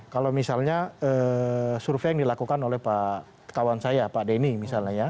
kalau misalnya survei yang dilakukan oleh petawan saya pak denny